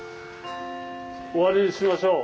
終わりにしましょう。